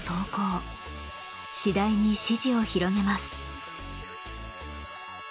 次第に支持を広げます。